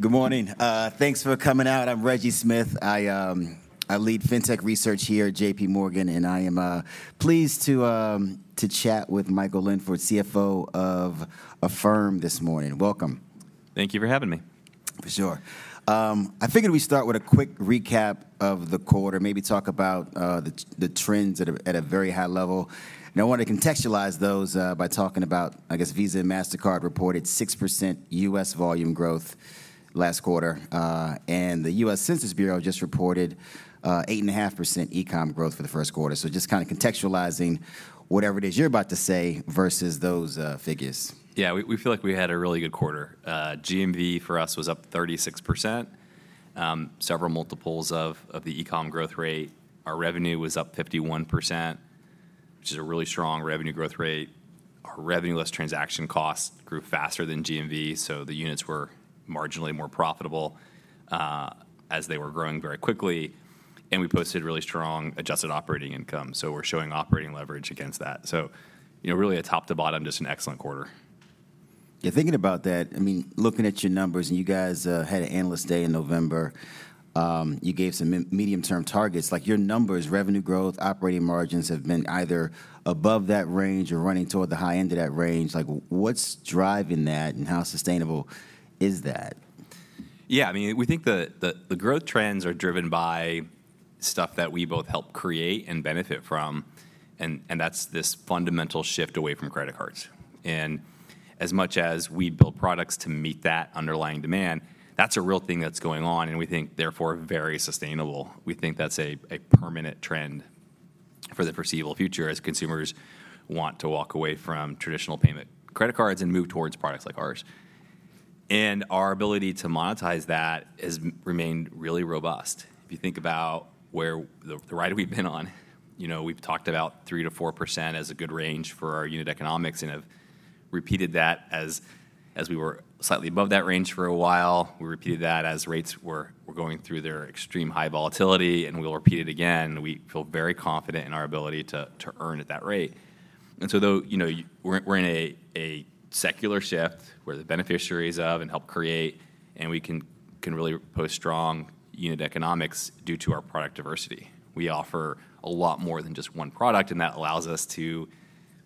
Good morning. Thanks for coming out. I'm Reggie Smith. I, I lead Fintech Research here at JPMorgan, and I am, pleased to, to chat with Michael Linford, CFO of Affirm, this morning. Welcome. Thank you for having me. For sure. I figured we'd start with a quick recap of the quarter, maybe talk about the trends at a very high level. And I want to contextualize those by talking about, I guess, Visa and Mastercard reported 6% U.S. volume growth last quarter. And the U.S. Census Bureau just reported 8.5% e-com growth for the first quarter. So just kind of contextualizing whatever it is you're about to say versus those figures. Yeah, we feel like we had a really good quarter. GMV for us was up 36%, several multiples of the e-com growth rate. Our revenue was up 51%, which is a really strong revenue growth rate. Our revenue less transaction costs grew faster than GMV, so the units were marginally more profitable, as they were growing very quickly, and we posted really strong adjusted operating income. So we're showing operating leverage against that. So, you know, really a top to bottom, just an excellent quarter. Yeah, thinking about that, I mean, looking at your numbers, and you guys had an analyst day in November, you gave some medium-term targets. Like, your numbers, revenue growth, operating margins, have been either above that range or running toward the high end of that range. Like, what's driving that, and how sustainable is that? Yeah, I mean, we think the growth trends are driven by stuff that we both help create and benefit from, and that's this fundamental shift away from credit cards. And as much as we build products to meet that underlying demand, that's a real thing that's going on, and we think, therefore, very sustainable. We think that's a permanent trend for the foreseeable future, as consumers want to walk away from traditional payment credit cards and move towards products like ours. And our ability to monetize that has remained really robust. If you think about where the ride we've been on, you know, we've talked about 3%-4% as a good range for our unit economics and have repeated that as we were slightly above that range for a while. We repeated that as rates were going through their extreme high volatility, and we'll repeat it again. We feel very confident in our ability to earn at that rate. And so though, you know, we're in a secular shift we're the beneficiaries of and helped create, and we can really post strong unit economics due to our product diversity. We offer a lot more than just one product, and that allows us to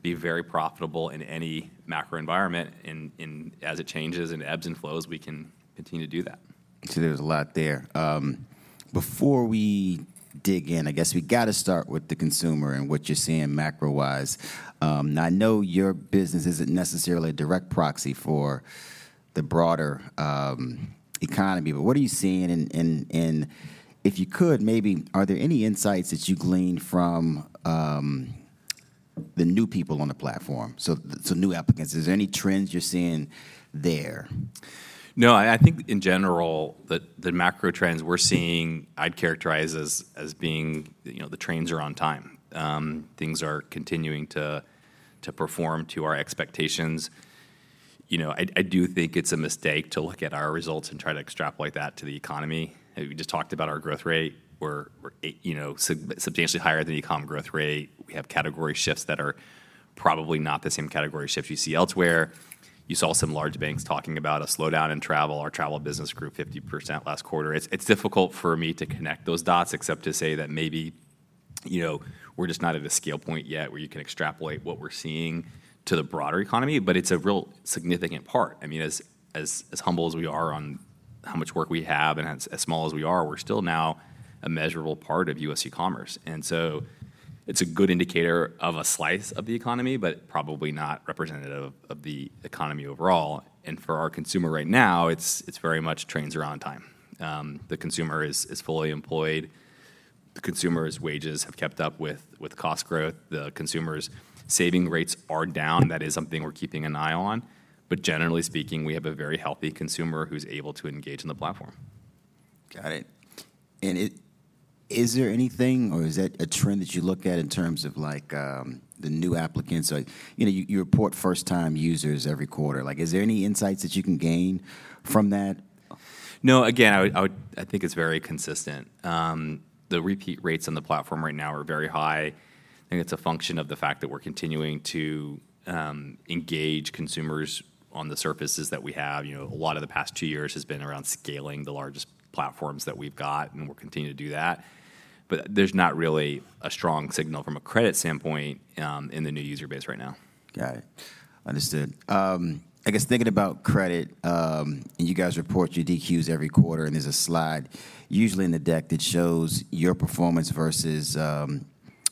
be very profitable in any macro environment. And as it changes and ebbs and flows, we can continue to do that. So there's a lot there. Before we dig in, I guess we've got to start with the consumer and what you're seeing macro-wise. I know your business isn't necessarily a direct proxy for the broader economy, but what are you seeing? And if you could, maybe are there any insights that you gleaned from the new people on the platform, so new applicants? Is there any trends you're seeing there? No, I think in general, the macro trends we're seeing, I'd characterize as being, you know, the trains are on time. Things are continuing to perform to our expectations. You know, I do think it's a mistake to look at our results and try to extrapolate that to the economy. We just talked about our growth rate. We're, you know, substantially higher than the e-com growth rate. We have category shifts that are probably not the same category shifts you see elsewhere. You saw some large banks talking about a slowdown in travel. Our travel business grew 50% last quarter. It's difficult for me to connect those dots, except to say that maybe, you know, we're just not at a scale point yet where you can extrapolate what we're seeing to the broader economy, but it's a real significant part. I mean, as humble as we are on how much work we have and as small as we are, we're still now a measurable part of U.S. e-commerce. And so it's a good indicator of a slice of the economy, but probably not representative of the economy overall. And for our consumer right now, it's very much trains are on time. The consumer is fully employed. The consumer's wages have kept up with cost growth. The consumer's saving rates are down. That is something we're keeping an eye on, but generally speaking, we have a very healthy consumer who's able to engage in the platform. Got it. And it is there anything, or is that a trend that you look at in terms of, like, the new applicants? Like, you know, you report first-time users every quarter. Like, is there any insights that you can gain from that? No, again, I would, I think it's very consistent. The repeat rates on the platform right now are very high. I think it's a function of the fact that we're continuing to engage consumers on the surfaces that we have. You know, a lot of the past two years has been around scaling the largest platforms that we've got, and we'll continue to do that. But there's not really a strong signal from a credit standpoint in the new user base right now. Got it. Understood. I guess thinking about credit, and you guys report your DQs every quarter, and there's a slide usually in the deck that shows your performance versus,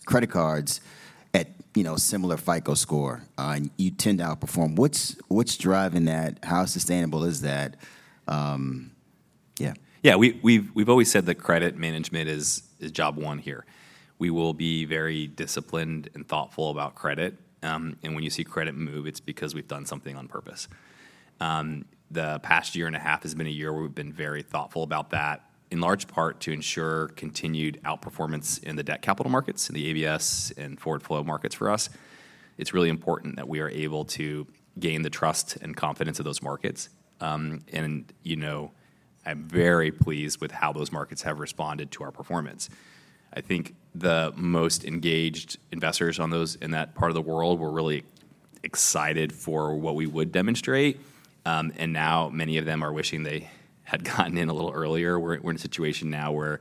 credit cards at, you know, similar FICO score, and you tend to outperform. What's, what's driving that? How sustainable is that? Yeah. Yeah, we've always said that credit management is job one here. We will be very disciplined and thoughtful about credit, and when you see credit move, it's because we've done something on purpose. The past year and a half has been a year where we've been very thoughtful about that, in large part to ensure continued outperformance in the debt capital markets, in the ABS and forward flow markets for us. It's really important that we are able to gain the trust and confidence of those markets. And you know, I'm very pleased with how those markets have responded to our performance. I think the most engaged investors on those, in that part of the world were really excited for what we would demonstrate. And now many of them are wishing they had gotten in a little earlier. We're in a situation now where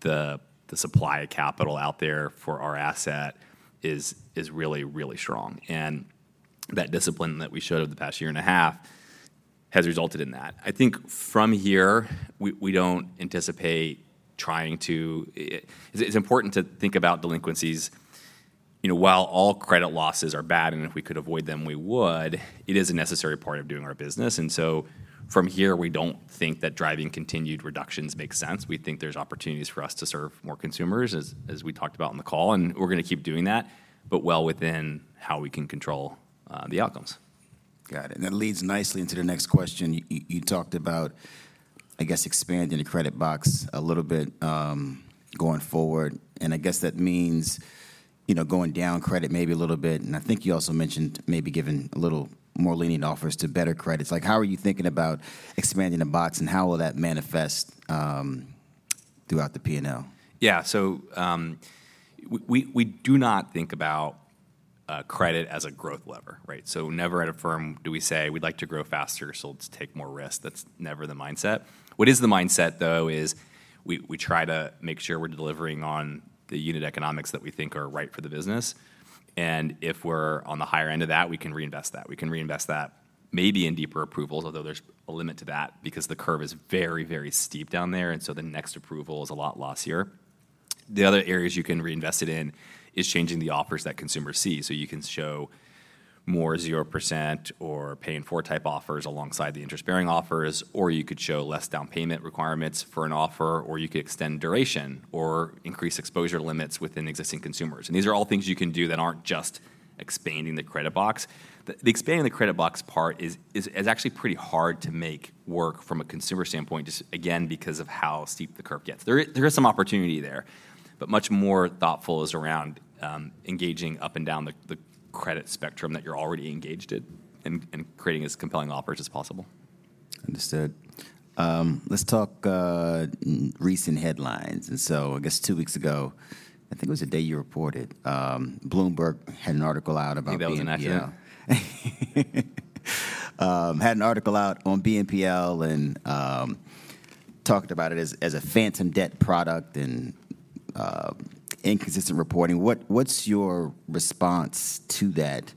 the supply of capital out there for our asset is really, really strong, and that discipline that we showed over the past year and a half has resulted in that. I think from here, we don't anticipate trying to... It's important to think about delinquencies. You know, while all credit losses are bad, and if we could avoid them, we would, it is a necessary part of doing our business. And so from here, we don't think that driving continued reductions makes sense. We think there's opportunities for us to serve more consumers, as we talked about on the call, and we're going to keep doing that, but well within how we can control the outcomes. Got it. That leads nicely into the next question. You talked about, I guess, expanding the credit box a little bit, going forward, and I guess that means, you know, going down credit maybe a little bit. I think you also mentioned maybe giving a little more lenient offers to better credits. Like, how are you thinking about expanding the box, and how will that manifest throughout the P&L? Yeah. So, we do not think about credit as a growth lever, right? So never at Affirm do we say: We'd like to grow faster, so let's take more risk. That's never the mindset. What is the mindset, though, is we try to make sure we're delivering on the unit economics that we think are right for the business, and if we're on the higher end of that, we can reinvest that. We can reinvest that maybe in deeper approvals, although there's a limit to that because the curve is very, very steep down there, and so the next approval is a lot lossier. The other areas you can reinvest it in is changing the offers that consumers see. So you can show more 0% or Pay in 4 type offers alongside the interest-bearing offers, or you could show less down payment requirements for an offer, or you could extend duration or increase exposure limits within existing consumers. And these are all things you can do that aren't just expanding the credit box. The expanding the credit box part is actually pretty hard to make work from a consumer standpoint, just again, because of how steep the curve gets. There is some opportunity there, but much more thoughtful is around engaging up and down the credit spectrum that you're already engaged in, and creating as compelling offers as possible. Understood. Let's talk recent headlines. And so I guess two weeks ago, I think it was the day you reported, Bloomberg had an article out about BNPL. Maybe that was national? Had an article out on BNPL and talked about it as a phantom debt product and inconsistent reporting. What's your response to that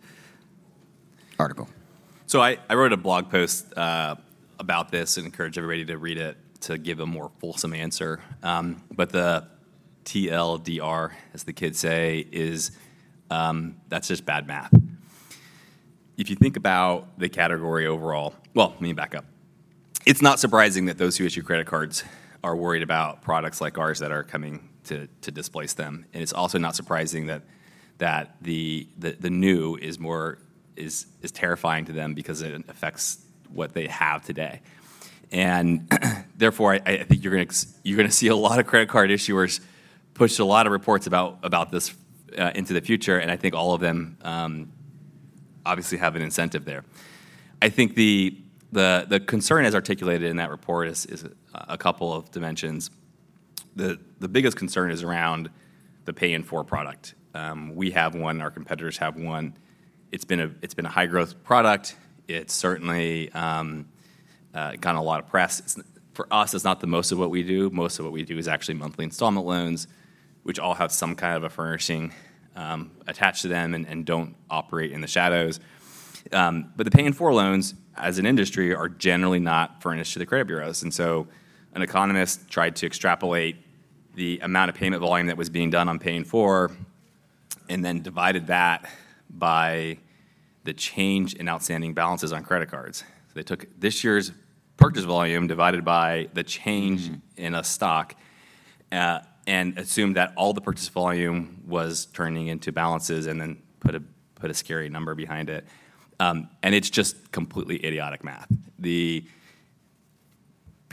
article? So I wrote a blog post about this and encourage everybody to read it, to give a more fulsome answer. But the TLDR, as the kids say, is that's just bad math. If you think about the category overall... Well, let me back up. It's not surprising that those who issue credit cards are worried about products like ours that are coming to displace them, and it's also not surprising that the new is more terrifying to them because it affects what they have today. And therefore, I think you're gonna see a lot of credit card issuers push a lot of reports about this into the future, and I think all of them obviously have an incentive there. I think the concern as articulated in that report is a couple of dimensions. The biggest concern is around the Pay in 4 product. We have one, our competitors have one. It's been a high-growth product. It's certainly gotten a lot of press. For us, it's not the most of what we do. Most of what we do is actually monthly installment loans, which all have some kind of a furnishing attached to them and don't operate in the shadows. But the Pay in 4 loans, as an industry, are generally not furnished to the credit bureaus. And so an economist tried to extrapolate the amount of payment volume that was being done on Pay in 4, and then divided that by the change in outstanding balances on credit cards. So they took this year's purchase volume divided by the change in a stock, and assumed that all the purchase volume was turning into balances and then put a scary number behind it. And it's just completely idiotic math.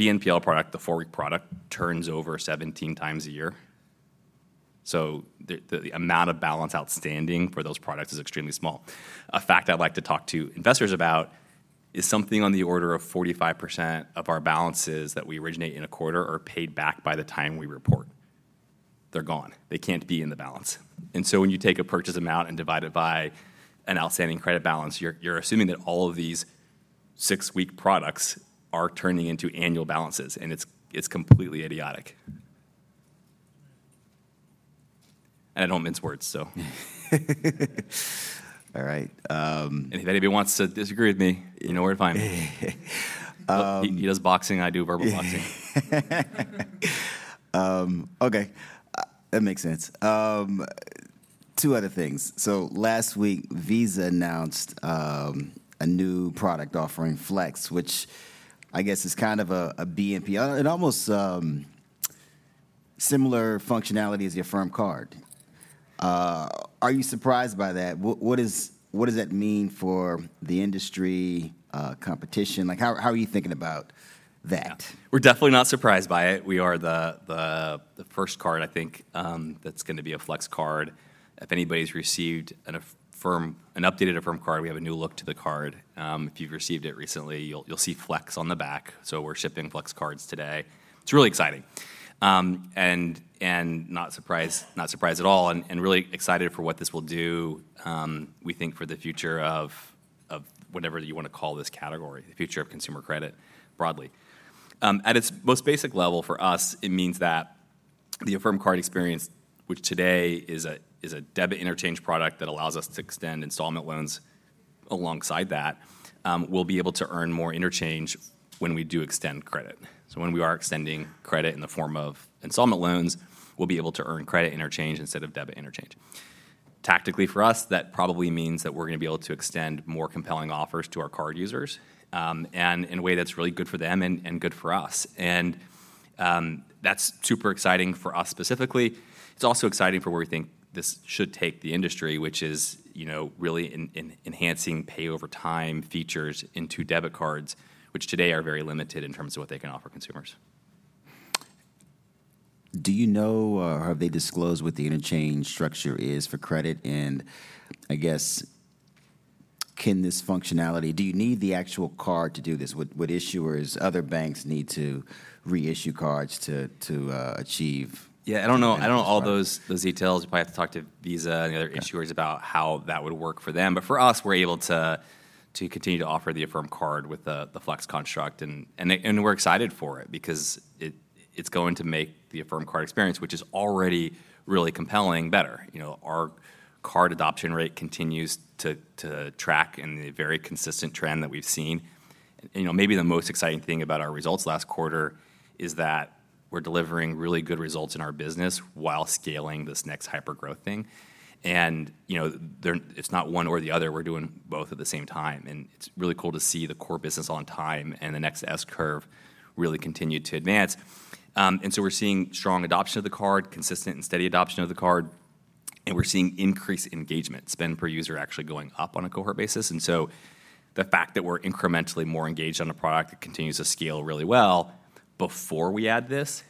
The BNPL product, the four-week product, turns over 17x a year, so the amount of balance outstanding for those products is extremely small. A fact I'd like to talk to investors about is something on the order of 45% of our balances that we originate in a quarter are paid back by the time we report. They're gone. They can't be in the balance. And so when you take a purchase amount and divide it by an outstanding credit balance, you're assuming that all of these six-week products are turning into annual balances, and it's completely idiotic. And I don't mince words, so... All right. If anybody wants to disagree with me, you know where to find me. Um- He, he does boxing, I do verbal boxing. Okay, that makes sense. Two other things. So last week, Visa announced a new product offering, Flex, which I guess is kind of a, a BNPL. An almost similar functionality as your Affirm Card. Are you surprised by that? What, what is- what does that mean for the industry, competition? Like, how, how are you thinking about that? We're definitely not surprised by it. We are the first card, I think, that's going to be a Flex card. If anybody's received an Affirm, an updated Affirm Card, we have a new look to the card. If you've received it recently, you'll see Flex on the back. So we're shipping Flex cards today. It's really exciting. And not surprised, not surprised at all, and really excited for what this will do, we think, for the future of whatever you want to call this category, the future of consumer credit, broadly. At its most basic level, for us, it means that the Affirm Card experience, which today is a debit interchange product that allows us to extend installment loans alongside that, we'll be able to earn more interchange when we do extend credit. So when we are extending credit in the form of installment loans, we'll be able to earn credit interchange instead of debit interchange. Tactically, for us, that probably means that we're gonna be able to extend more compelling offers to our card users, and in a way that's really good for them and good for us. And that's super exciting for us specifically. It's also exciting for where we think this should take the industry, which is, you know, really enhancing pay over time features into debit cards, which today are very limited in terms of what they can offer consumers. Do you know, or have they disclosed what the interchange structure is for credit? And I guess, can this functionality... Do you need the actual card to do this? Would issuers, other banks, need to reissue cards to achieve- Yeah, I don't know- I don't know all those details. You probably have to talk to Visa and the other issuers about how that would work for them. But for us, we're able to continue to offer the Affirm Card with the Flex construct, and we're excited for it because it's going to make the Affirm Card experience, which is already really compelling, better. You know, our card adoption rate continues to track in the very consistent trend that we've seen. You know, maybe the most exciting thing about our results last quarter is that we're delivering really good results in our business while scaling this next hypergrowth thing. And, you know, there, it's not one or the other, we're doing both at the same time, and it's really cool to see the core business on time and the next S-curve really continue to advance. and so we're seeing strong adoption of the card, consistent and steady adoption of the card, and we're seeing increased engagement, spend per user actually going up on a cohort basis. And so the fact that we're incrementally more engaged on a product that continues to scale really well before we add this,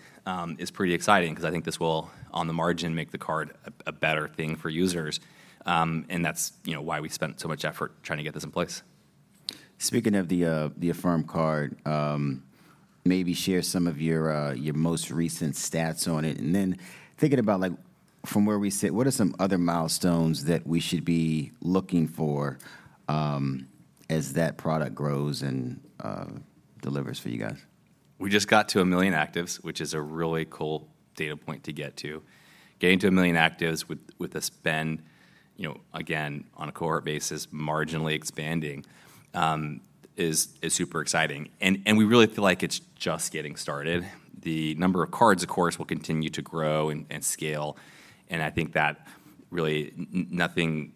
is pretty exciting, 'cause I think this will, on the margin, make the card a, a better thing for users. And that's, you know, why we spent so much effort trying to get this in place. Speaking of the Affirm Card, maybe share some of your most recent stats on it, and then thinking about, like, from where we sit, what are some other milestones that we should be looking for, as that product grows and delivers for you guys? We just got to 1 million actives, which is a really cool data point to get to. Getting to 1 million actives with a spend, you know, again, on a cohort basis, marginally expanding, is super exciting, and we really feel like it's just getting started. The number of cards, of course, will continue to grow and scale, and I think that really nothing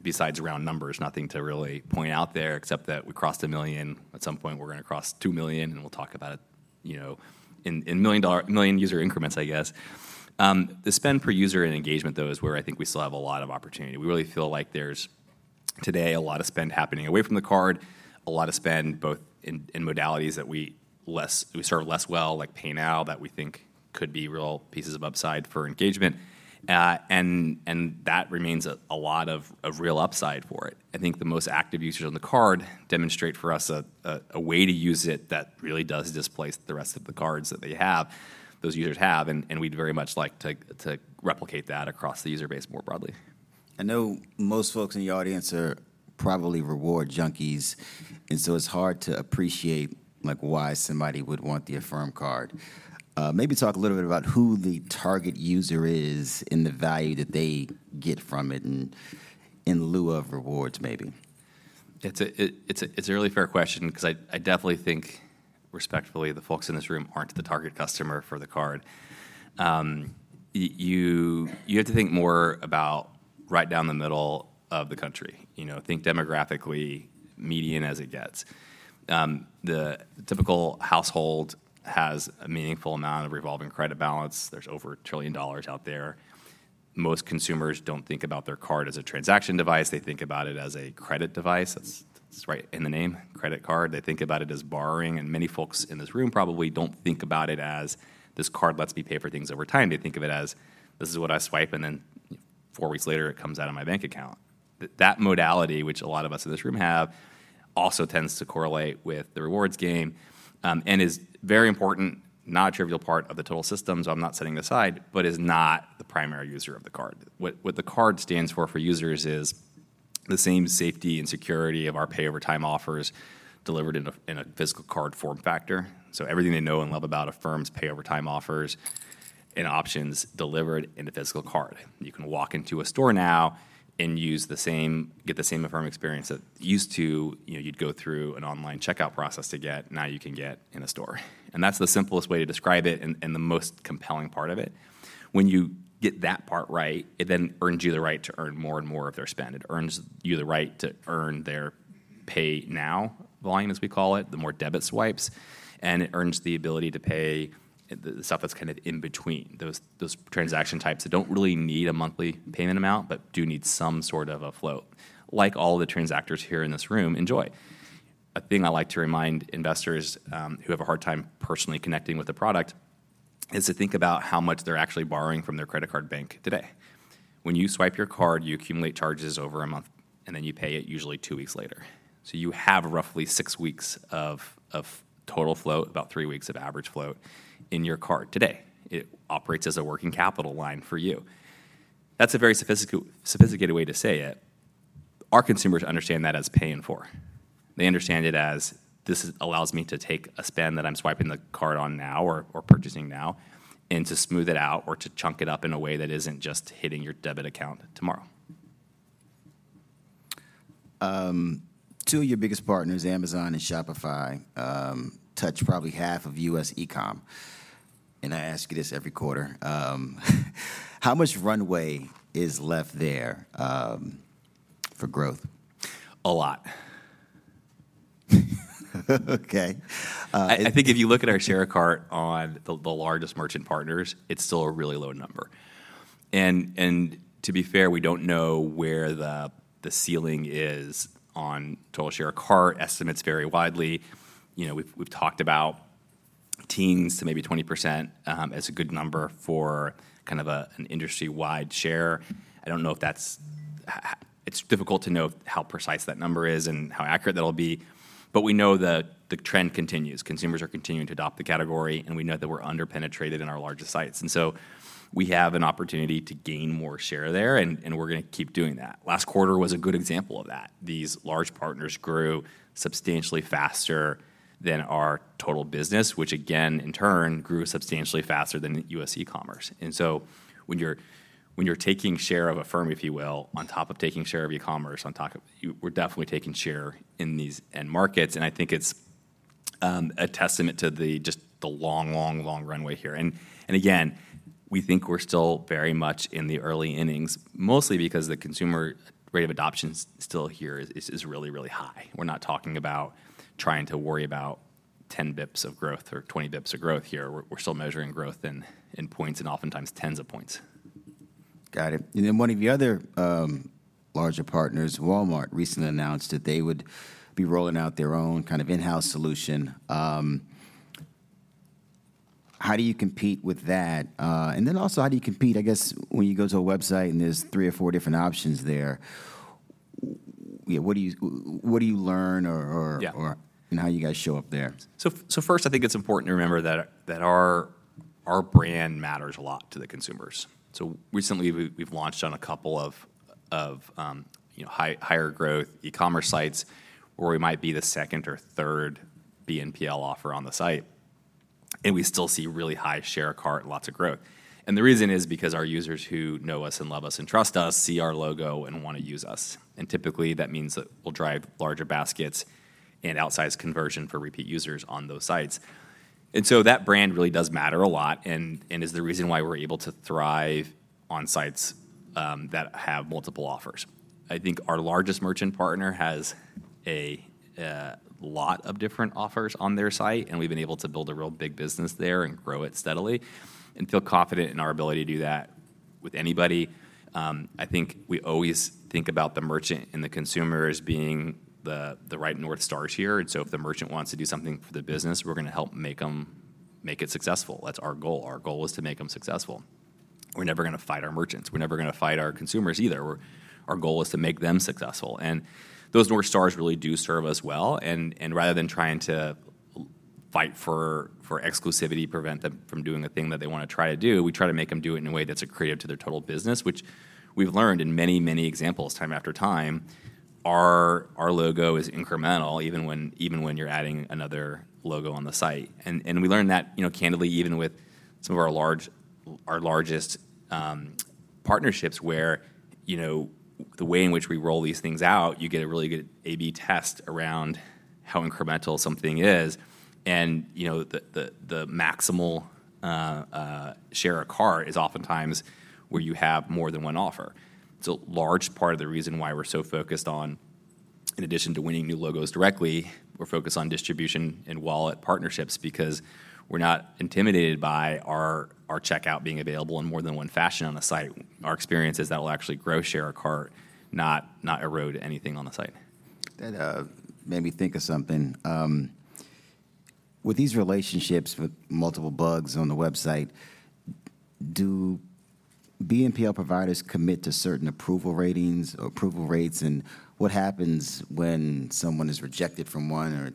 besides round numbers, nothing to really point out there, except that we crossed 1 million. At some point, we're gonna cross 2 million, and we'll talk about it, you know, in million user increments, I guess. The spend per user and engagement, though, is where I think we still have a lot of opportunity. We really feel like there's, today, a lot of spend happening away from the card, a lot of spend both in modalities that we serve less well, like Pay Now, that we think could be real pieces of upside for engagement. And that remains a lot of real upside for it. I think the most active users on the card demonstrate for us a way to use it that really does displace the rest of the cards that they have, those users have, and we'd very much like to replicate that across the user base more broadly. I know most folks in the audience are probably reward junkies, and so it's hard to appreciate, like, why somebody would want the Affirm Card. Maybe talk a little bit about who the target user is and the value that they get from it and in lieu of rewards, maybe. It's a really fair question 'cause I definitely think, respectfully, the folks in this room aren't the target customer for the card. You have to think more about right down the middle of the country. You know, think demographically median as it gets. The typical household has a meaningful amount of revolving credit balance. There's over $1 trillion out there. Most consumers don't think about their card as a transaction device. They think about it as a credit device. That's right in the name, credit card. They think about it as borrowing, and many folks in this room probably don't think about it as, "This card lets me pay for things over time." They think of it as, "This is what I swipe, and then four weeks later, it comes out of my bank account." That modality, which a lot of us in this room have, also tends to correlate with the rewards game, and is very important, not a trivial part of the total system, so I'm not setting it aside, but is not the primary user of the card. What the card stands for, for users is the same safety and security of our pay over time offers delivered in a physical card form factor. So everything they know and love about Affirm's pay over time offers and options delivered in a physical card. You can walk into a store now and get the same Affirm experience that you used to, you know, you'd go through an online checkout process to get, now you can get in a store, and that's the simplest way to describe it and the most compelling part of it. When you get that part right, it then earns you the right to earn more and more of their spend. It earns you the right to earn their Pay Now volume, as we call it, the more debit swipes, and it earns the ability to pay the stuff that's kind of in between, those transaction types that don't really need a monthly payment amount but do need some sort of a flow, like all the transactors here in this room enjoy. A thing I like to remind investors who have a hard time personally connecting with the product is to think about how much they're actually borrowing from their credit card bank today. When you swipe your card, you accumulate charges over a month, and then you pay it usually two weeks later. So you have roughly six weeks of total flow, about three weeks of average flow, in your card today. It operates as a working capital line for you. That's a very sophisticated way to say it. Our consumers understand that as paying for. They understand it as this allows me to take a spend that I'm swiping the card on now or purchasing now, and to smooth it out or to chunk it up in a way that isn't just hitting your debit account tomorrow. Two of your biggest partners, Amazon and Shopify, touch probably half of U.S. e-com. I ask you this every quarter, how much runway is left there for growth? A lot. Okay. Uh- I think if you look at our share of cart on the largest merchant partners, it's still a really low number. And to be fair, we don't know where the ceiling is on total share of cart. Estimates vary widely. You know, we've talked about teens to maybe 20%, as a good number for kind of an industry-wide share. I don't know if that's... It's difficult to know how precise that number is and how accurate that'll be, but we know that the trend continues. Consumers are continuing to adopt the category, and we know that we're under-penetrated in our largest sites. And so we have an opportunity to gain more share there, and we're gonna keep doing that. Last quarter was a good example of that. These large partners grew substantially faster than our total business, which again, in turn, grew substantially faster than U.S. e-commerce. So when you're taking share of a firm, if you will, on top of taking share of e-commerce, on top of, we're definitely taking share in these end markets, and I think it's a testament to just the long, long, long runway here. And again, we think we're still very much in the early innings, mostly because the consumer rate of adoption still here is really, really high. We're not talking about trying to worry about 10 basis points of growth or 20 basis points of growth here. We're still measuring growth in points, and oftentimes, tens of points. Got it. And then one of your other larger partners, Walmart, recently announced that they would be rolling out their own kind of in-house solution. How do you compete with that? And then also, how do you compete, I guess, when you go to a website, and there's three or four different options there, yeah, what do you learn or- Yeah. ...or, and how do you guys show up there? So first, I think it's important to remember that our brand matters a lot to the consumers. So recently, we've launched on a couple of, you know, higher growth e-commerce sites, where we might be the second or third BNPL offer on the site, and we still see really high share of cart and lots of growth. And the reason is because our users who know us and love us and trust us, see our logo and wanna use us, and typically, that means that we'll drive larger baskets and outsized conversion for repeat users on those sites. And so that brand really does matter a lot and is the reason why we're able to thrive on sites that have multiple offers. I think our largest merchant partner has a lot of different offers on their site, and we've been able to build a real big business there and grow it steadily, and feel confident in our ability to do that with anybody. I think we always think about the merchant and the consumer as being the right North Stars here, and so if the merchant wants to do something for the business, we're gonna help make 'em make it successful. That's our goal. Our goal is to make them successful. We're never gonna fight our merchants. We're never gonna fight our consumers either. Our goal is to make them successful, and those North Stars really do serve us well, and rather than trying to fight for exclusivity, prevent them from doing the thing that they wanna try to do, we try to make them do it in a way that's accretive to their total business, which we've learned in many, many examples, time after time, our logo is incremental, even when you're adding another logo on the site. And we learned that, you know, candidly, even with some of our largest partnerships, where, you know, the way in which we roll these things out, you get a really good A/B test around how incremental something is. And, you know, the maximal share of cart is oftentimes where you have more than one offer. It's a large part of the reason why we're so focused on, in addition to winning new logos directly, we're focused on distribution and wallet partnerships because we're not intimidated by our checkout being available in more than one fashion on the site. Our experience is that will actually grow share of cart, not erode anything on the site. That made me think of something. With these relationships, with multiple BNPLs on the website, do BNPL providers commit to certain approval ratings or approval rates? And what happens when someone is rejected from one or...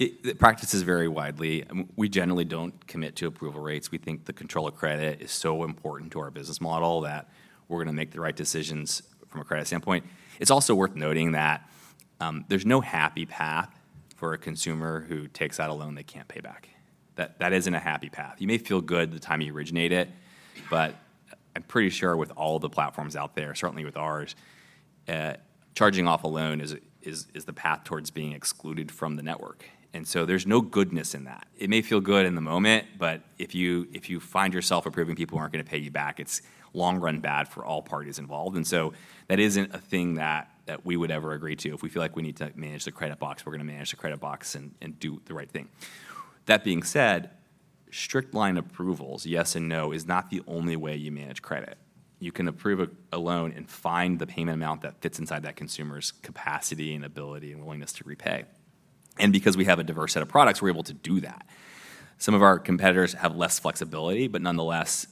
Its practices vary widely. We generally don't commit to approval rates. We think the control of credit is so important to our business model that we're gonna make the right decisions from a credit standpoint. It's also worth noting that, there's no happy path for a consumer who takes out a loan they can't pay back. That, that isn't a happy path. You may feel good at the time you originate it, but I'm pretty sure with all the platforms out there, certainly with ours, charging off a loan is, is, is the path towards being excluded from the network, and so there's no goodness in that. It may feel good in the moment, but if you find yourself approving people who aren't gonna pay you back, it's long run bad for all parties involved, and so that isn't a thing that we would ever agree to. If we feel like we need to manage the credit box, we're gonna manage the credit box and do the right thing. That being said, strict line approvals, yes and no, is not the only way you manage credit. You can approve a loan and find the payment amount that fits inside that consumer's capacity and ability and willingness to repay. Because we have a diverse set of products, we're able to do that. Some of our competitors have less flexibility, but nonetheless,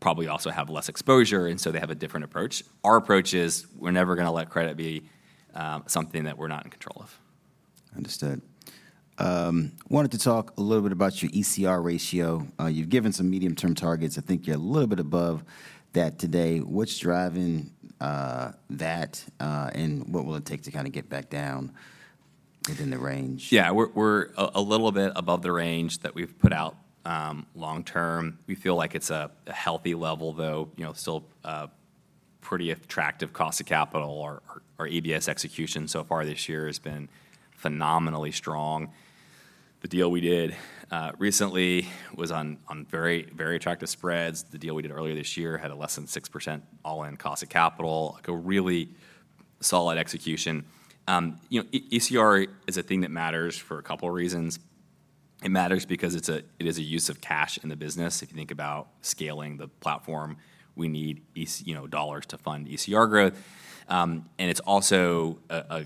probably also have less exposure, and so they have a different approach. Our approach is, we're never gonna let credit be, something that we're not in control of.... Understood. Wanted to talk a little bit about your ECR ratio. You've given some medium-term targets. I think you're a little bit above that today. What's driving that, and what will it take to kind of get back down within the range? Yeah, we're a little bit above the range that we've put out long term. We feel like it's a healthy level, though, you know, still a pretty attractive cost of capital. Our ABS execution so far this year has been phenomenally strong. The deal we did recently was on very, very attractive spreads. The deal we did earlier this year had a less than 6% all-in cost of capital, like a really solid execution. You know, ECR is a thing that matters for a couple of reasons. It matters because it's a, it is a use of cash in the business. If you think about scaling the platform, we need dollars to fund ECR growth. And it's also a, a,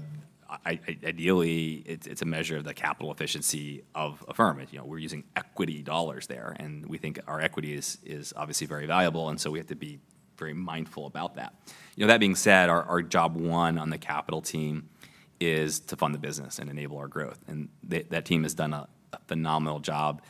i- ideally, it's a measure of the capital efficiency of a firm. You know, we're using equity dollars there, and we think our equity is obviously very valuable, and so we have to be very mindful about that. You know, that being said, our job one on the capital team is to fund the business and enable our growth, and that team has done a phenomenal job,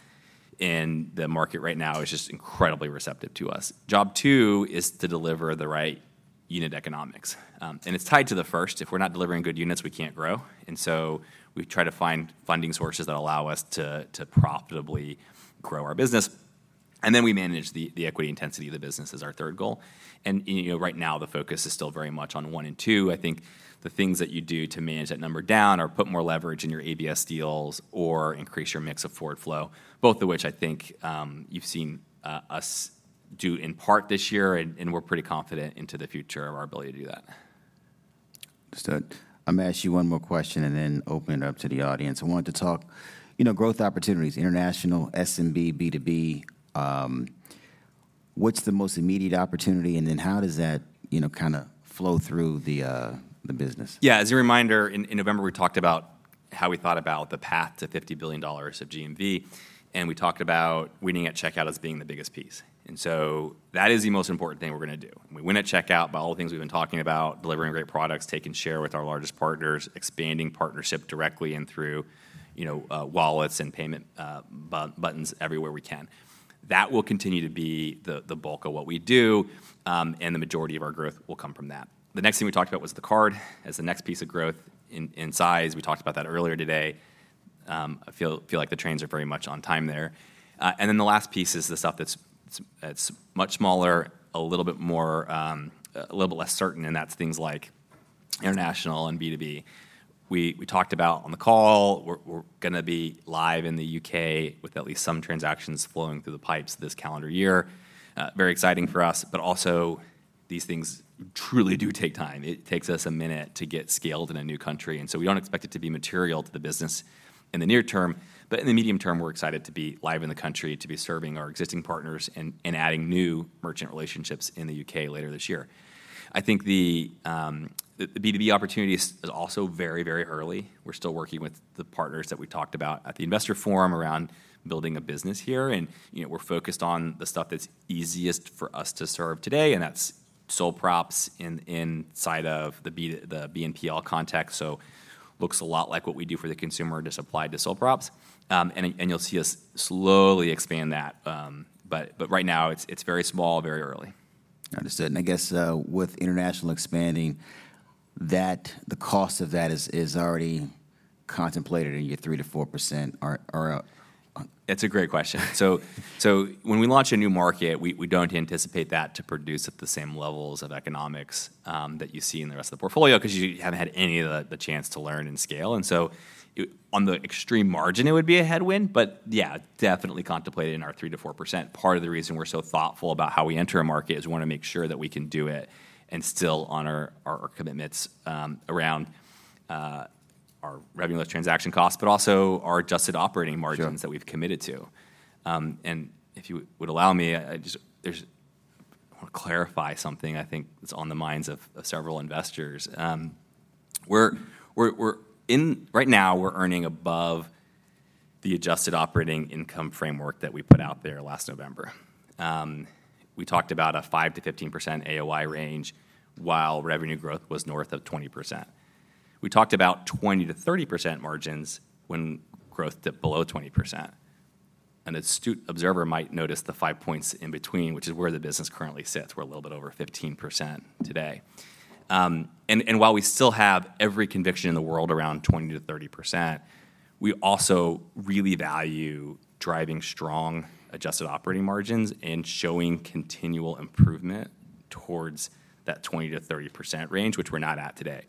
and the market right now is just incredibly receptive to us. Job two is to deliver the right unit economics, and it's tied to the first. If we're not delivering good units, we can't grow, and so we try to find funding sources that allow us to profitably grow our business, and then we manage the equity intensity of the business as our third goal. And, you know, right now, the focus is still very much on one and two. I think the things that you do to manage that number down are put more leverage in your ABS deals or increase your mix of forward flow, both of which I think, you've seen, us do in part this year, and, and we're pretty confident into the future of our ability to do that. Understood. I'm going to ask you one more question and then open it up to the audience. I wanted to talk, you know, growth opportunities, international, SMB, B2B. What's the most immediate opportunity, and then how does that, you know, kind of flow through the business? Yeah. As a reminder, in November, we talked about how we thought about the path to $50 billion of GMV, and we talked about winning at checkout as being the biggest piece, and so that is the most important thing we're going to do. We win at checkout by all the things we've been talking about, delivering great products, taking share with our largest partners, expanding partnership directly and through, you know, wallets and payment buttons everywhere we can. That will continue to be the bulk of what we do, and the majority of our growth will come from that. The next thing we talked about was the card as the next piece of growth in size. We talked about that earlier today. I feel like the trains are very much on time there. And then the last piece is the stuff that's much smaller, a little bit more, a little bit less certain, and that's things like international and B2B. We talked about on the call, we're gonna be live in the UK with at least some transactions flowing through the pipes this calendar year. Very exciting for us, but also, these things truly do take time. It takes us a minute to get scaled in a new country, and so we don't expect it to be material to the business in the near term, but in the medium term, we're excited to be live in the country, to be serving our existing partners and adding new merchant relationships in the UK later this year. I think the B2B opportunity is also very, very early. We're still working with the partners that we talked about at the investor forum around building a business here, and, you know, we're focused on the stuff that's easiest for us to serve today, and that's sole props inside of the BNPL context. So it looks a lot like what we do for the consumer, just applied to sole props. And you'll see us slowly expand that, but right now, it's very small, very early. Understood. And I guess, with international expanding, that, the cost of that is already contemplated in your 3%-4% are out. It's a great question. So, when we launch a new market, we don't anticipate that to produce at the same levels of economics, that you see in the rest of the portfolio because you haven't had any of the chance to learn and scale, and so you- on the extreme margin, it would be a headwind, but yeah, definitely contemplated in our 3%-4%. Part of the reason we're so thoughtful about how we enter a market is we wanna make sure that we can do it and still honor our commitments, around our revenue less transaction costs, but also our adjusted operating margins- Sure.... that we've committed to. And if you would allow me, I wanna clarify something I think that's on the minds of several investors. Right now, we're earning above the adjusted operating income framework that we put out there last November. We talked about a 5%-15% AOI range, while revenue growth was north of 20%. We talked about 20%-30% margins when growth dipped below 20%. An astute observer might notice the 5 points in between, which is where the business currently sits. We're a little bit over 15% today. While we still have every conviction in the world around 20%-30%, we also really value driving strong adjusted operating margins and showing continual improvement towards that 20%-30% range, which we're not at today.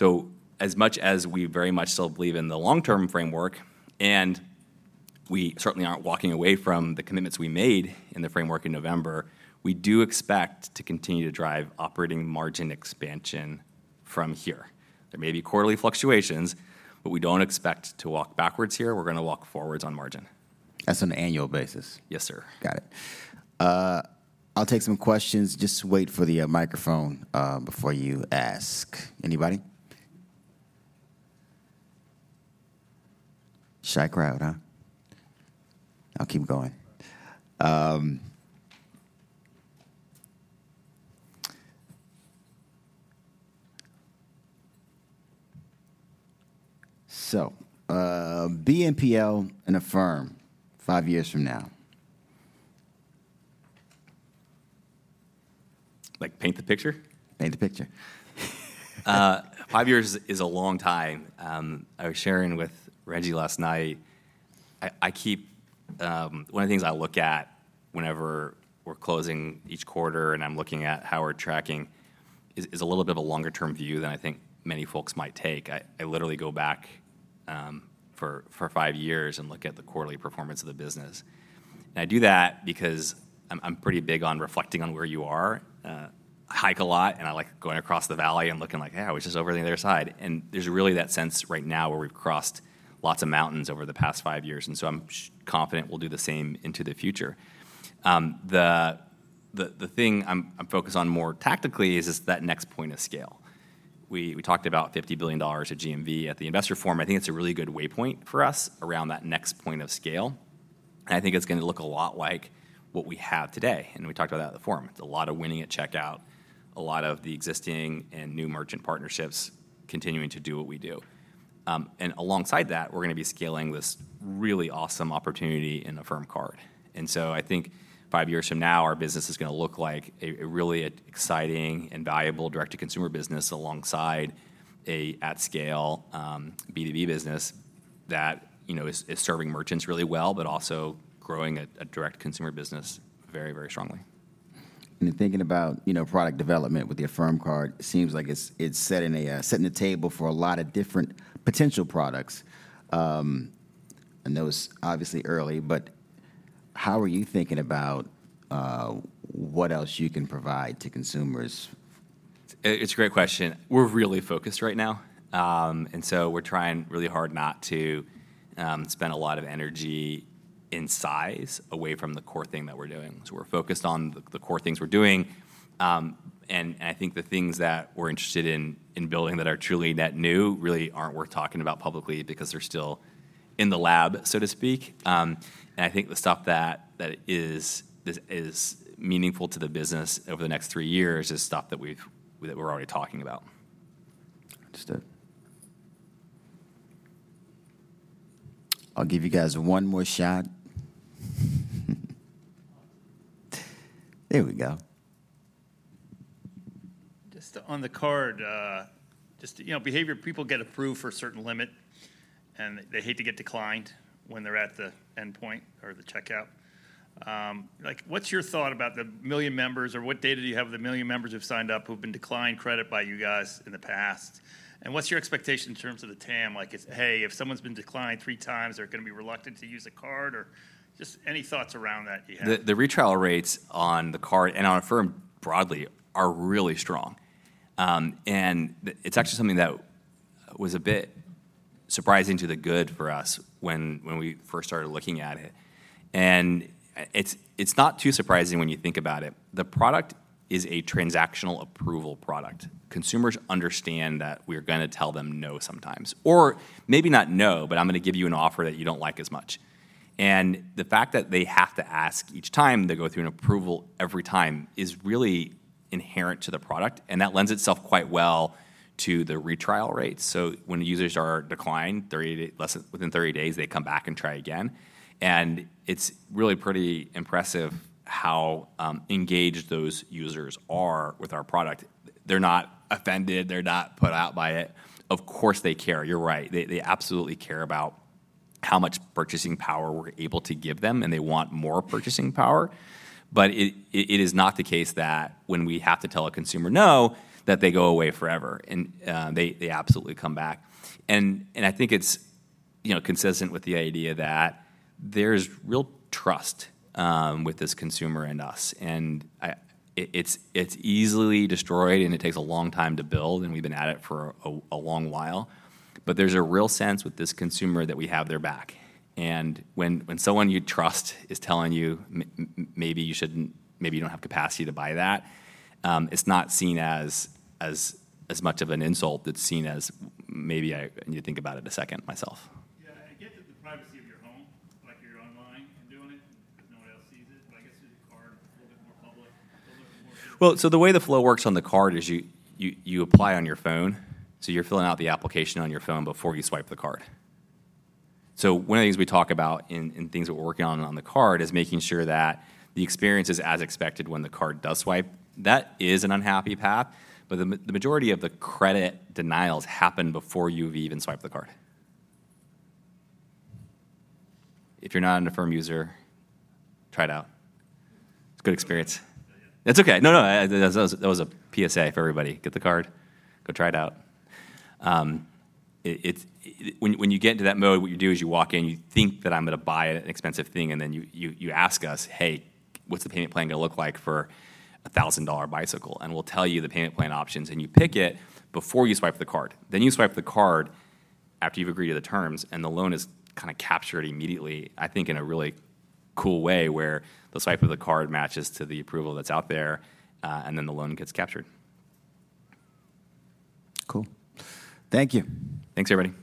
So as much as we very much still believe in the long-term framework, and we certainly aren't walking away from the commitments we made in the framework in November, we do expect to continue to drive operating margin expansion from here. There may be quarterly fluctuations, but we don't expect to walk backwards here. We're gonna walk forwards on margin. That's on an annual basis? Yes, sir. Got it. I'll take some questions. Just wait for the microphone before you ask. Anybody? Shy crowd, huh? I'll keep going. So, BNPL and Affirm, five years from now? Like, paint the picture? Paint the picture. Five years is a long time. I was sharing with Reggie last night. I keep... One of the things I look at whenever we're closing each quarter, and I'm looking at how we're tracking, is a little bit of a longer-term view than I think many folks might take. I literally go back for 5 years and look at the quarterly performance of the business. And I do that because I'm pretty big on reflecting on where you are. I hike a lot, and I like going across the valley and looking like, "Yeah, which is over on the other side." And there's really that sense right now where we've crossed lots of mountains over the past 5 years, and so I'm confident we'll do the same into the future. The thing I'm focused on more tactically is that next point of scale. We talked about $50 billion of GMV at the investor forum. I think it's a really good waypoint for us around that next point of scale, and I think it's gonna look a lot like what we have today, and we talked about that at the forum. It's a lot of winning at checkout, a lot of the existing and new merchant partnerships continuing to do what we do. And alongside that, we're gonna be scaling this really awesome opportunity in the Affirm Card. And so I think five years from now, our business is gonna look like a really exciting and valuable direct-to-consumer business, alongside an at-scale B2B business that, you know, is serving merchants really well, but also growing a direct consumer business very, very strongly. And thinking about, you know, product development with the Affirm Card, it seems like it's setting the table for a lot of different potential products. I know it's obviously early, but how are you thinking about what else you can provide to consumers? It's a great question. We're really focused right now, and so we're trying really hard not to spend a lot of energy in areas away from the core thing that we're doing. So we're focused on the core things we're doing, and I think the things that we're interested in building that are truly net new really aren't worth talking about publicly because they're still in the lab, so to speak. And I think the stuff that is meaningful to the business over the next three years is stuff that we're already talking about. Understood. I'll give you guys one more shot. There we go. Just on the card, just, you know, behavior, people get approved for a certain limit, and they hate to get declined when they're at the endpoint or the checkout. Like, what's your thought about the million members, or what data do you have of the million members who've signed up, who've been declined credit by you guys in the past? And what's your expectation in terms of the TAM? Like, it's, "Hey, if someone's been declined three times, they're gonna be reluctant to use a card," or just any thoughts around that you have. The retrial rates on the card and on Affirm broadly are really strong. It's actually something that was a bit surprisingly good for us when we first started looking at it. It's not too surprising when you think about it. The product is a transactional approval product. Consumers understand that we're gonna tell them no sometimes, or maybe not no, but I'm gonna give you an offer that you don't like as much. The fact that they have to ask each time, they go through an approval every time, is really inherent to the product, and that lends itself quite well to the retrial rates. So when users are declined, within 30 days or less, they come back and try again, and it's really pretty impressive how engaged those users are with our product. They're not offended, they're not put out by it. Of course, they care, you're right. They absolutely care about how much purchasing power we're able to give them, and they want more purchasing power. But it is not the case that when we have to tell a consumer no, that they go away forever, and they absolutely come back. And I think it's, you know, consistent with the idea that there's real trust with this consumer and us, and it's easily destroyed, and it takes a long time to build, and we've been at it for a long while. But there's a real sense with this consumer that we have their back, and when someone you trust is telling you, "Maybe you shouldn't, maybe you don't have capacity to buy that," it's not seen as much of an insult. It's seen as, "Maybe I need to think about it a second myself. Yeah, I get that the privacy of your home, like you're online and doing it, no one else sees it, but I guess with the card, a little bit more public, a little more- Well, so the way the flow works on the card is you apply on your phone, so you're filling out the application on your phone before you swipe the card. So one of the things we talk about and things that we're working on on the card is making sure that the experience is as expected when the card does swipe. That is an unhappy path, but the majority of the credit denials happen before you've even swiped the card. If you're not an Affirm user, try it out. It's a good experience. Yeah. That's okay. No, no, that was, that was a PSA for everybody. Get the card, go try it out. It's when you get into that mode, what you do is you walk in, you think that I'm gonna buy an expensive thing, and then you ask us, "Hey, what's the payment plan gonna look like for a $1,000 bicycle?" And we'll tell you the payment plan options, and you pick it before you swipe the card. Then you swipe the card after you've agreed to the terms, and the loan is kind of captured immediately, I think, in a really cool way, where the swipe of the card matches to the approval that's out there, and then the loan gets captured. Cool. Thank you. Thanks, everybody.